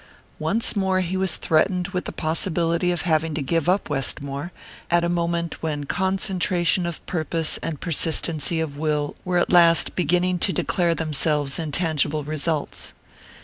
Once more he was threatened with the possibility of having to give up Westmore, at a moment when concentration of purpose and persistency of will were at last beginning to declare themselves in tangible results.